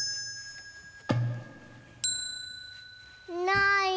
ない。